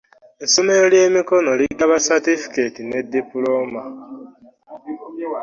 Essomero lye mikono ligaba satifikeeti ne dipuloma.